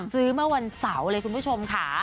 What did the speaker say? เมื่อวันเสาร์เลยคุณผู้ชมค่ะ